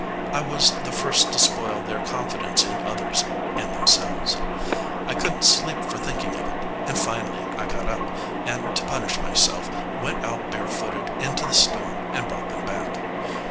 I was the first to spoil their confidence in others and themselves. I couldn't sleep for thinking of it, and finally I got up, and, to punish myself, went out barefooted into the storm and brought them back.